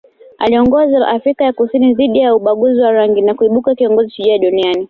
Aliiongoza Afrika ya Kusini dhidi ya ubaguzi wa rangi na kuibuka kiongozi shujaa duniani